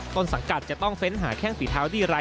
ตรงสังกัดจะต้องเฟ้นหาแข่งฝีเท้าดีไลน์ใหม่